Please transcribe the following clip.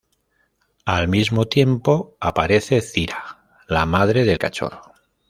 Al mismo tiempo, aparece Zira, la madre del cachorro.